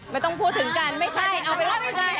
ไม่ต้องพูดถึงกันไม่ใช่เอาไปแล้วไม่ใช่